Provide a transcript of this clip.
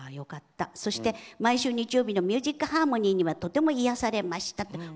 そして、毎週日曜日の「ミュージックハーモニー」にはとても癒やされましたと。